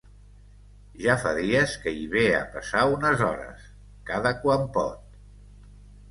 Ja fa dies que hi ve a passar unes hores, cada quan pot.